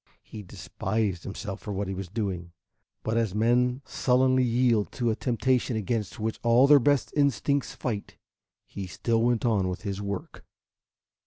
He despised himself for what he was doing, but as men sullenly yield to a temptation against which all their best instincts fight, he still went on with his work.